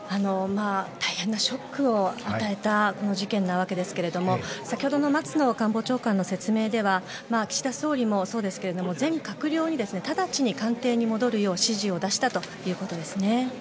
大変なショックを与えたこの事件なわけですが先ほどの松野官房長官の説明では岸田総理もそうですけど全閣僚に直ちに官邸に戻るよう指示を出したということです。